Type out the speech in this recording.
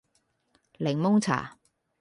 檸檬茶